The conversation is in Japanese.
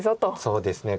そうですね。